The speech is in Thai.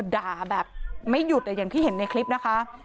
ด่าแบบไม่ยุดเห็นในคลิปนะคะ